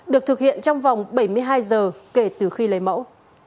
được thực hiện trong vòng bảy mươi hai giờ kể từ khi lấy mẫu